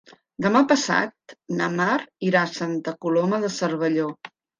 Demà passat na Mar irà a Santa Coloma de Cervelló.